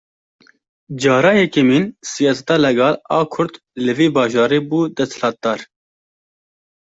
Cara yekemîn siyaseta legal a Kurd, li vî bajarî bû desthilatdar